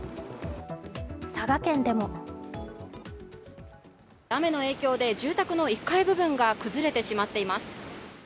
佐賀県でも雨の影響で住宅の１階部分が崩れてしまっています。